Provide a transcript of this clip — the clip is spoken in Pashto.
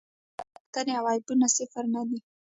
خو تېروتنې او عیبونه صفر نه دي.